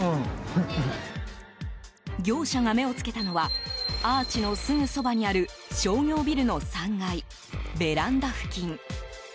業者が目を付けたのはアーチのすぐそばにある商業ビルの３階、ベランダ付近。